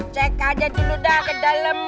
cek aja dulu dah ke dalam